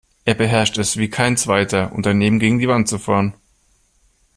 Er beherrscht es wie kein Zweiter, Unternehmen gegen die Wand zu fahren.